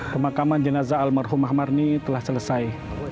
pemakaman jenazah almarhum ahmad ini telah selesai